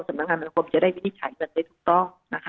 สำนักงานสังคมจะได้วินิจฉัยเงินได้ถูกต้องนะคะ